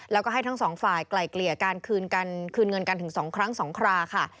แล้วก็ให้ทั้งสองฝ่ายไกลเกลี่ยการคืนเงินกันถึง๒ครั้ง๒คราค่ะ